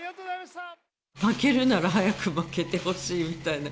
負けるなら早く負けてほしいみたいな。